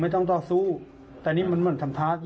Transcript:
พบกันได้ไปมีอะไรเกิดขึ้นมา